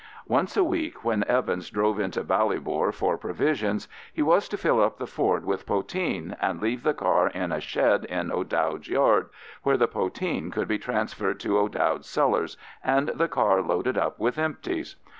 Once a week, when Evans drove into Ballybor for provisions, he was to fill up the Ford with poteen and leave the car in a shed in O'Dowd's yard, where the poteen could be transferred to O'Dowd's cellars and the car loaded up with empties.